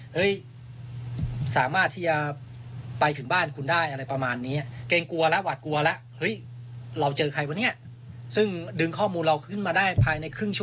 เฮ้ยสามารถที่จะไปถึงบ้านคุณได้อะไรประมาณนี้